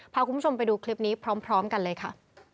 พาคุณผู้ชมไปดูคลิปนี้พร้อมกันเลยค่ะ